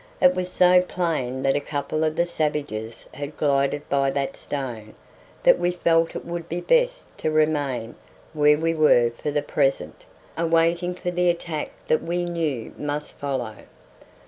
It was so plain that a couple of the savages had glided by that stone that we felt it would be best to remain where we were for the present, awaiting the attack that we knew must follow.